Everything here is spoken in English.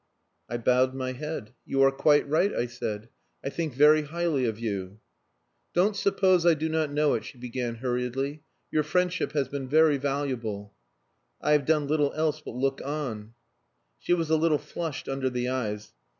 I bowed my head. "You are quite right," I said. "I think very highly of you" "Don't suppose I do not know it," she began hurriedly. "Your friendship has been very valuable." "I have done little else but look on." She was a little flushed under the eyes.